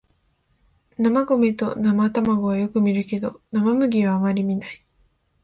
生米と生卵はよく見るけど生麦はあまり見ない